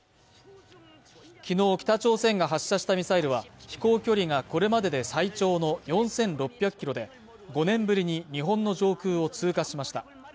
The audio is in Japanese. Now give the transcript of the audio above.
昨日北朝鮮が発射したミサイルは飛行距離がこれまでで最長の４６００キロで５年ぶりに日本の上空を通過しました